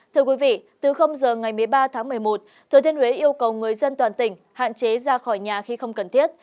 thưa quý vị từ giờ ngày một mươi ba tháng một mươi một thừa thiên huế yêu cầu người dân toàn tỉnh hạn chế ra khỏi nhà khi không cần thiết